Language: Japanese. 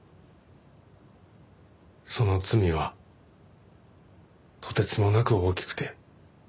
その罪はとてつもなく大きくて。